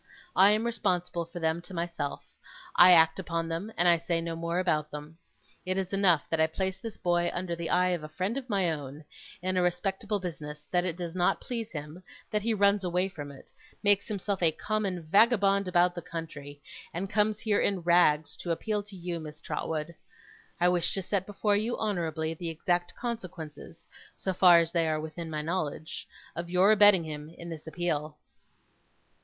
I am responsible for them to myself, I act upon them, and I say no more about them. It is enough that I place this boy under the eye of a friend of my own, in a respectable business; that it does not please him; that he runs away from it; makes himself a common vagabond about the country; and comes here, in rags, to appeal to you, Miss Trotwood. I wish to set before you, honourably, the exact consequences so far as they are within my knowledge of your abetting him in this appeal.